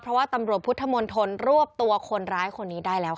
เพราะว่าตำรวจพุทธมนตรวบตัวคนร้ายคนนี้ได้แล้วค่ะ